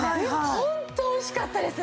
ホントおいしかったです。